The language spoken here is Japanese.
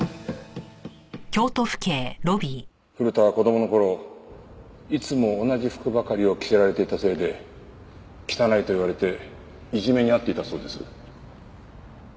古田は子供の頃いつも同じ服ばかりを着せられていたせいで汚いと言われていじめに遭っていたそうです。